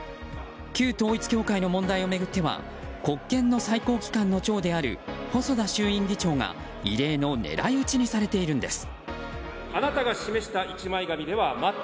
旧統一教会の問題を巡っては国権の最高機関の長である細田衆院議長が異例の狙い撃ちにされているんです。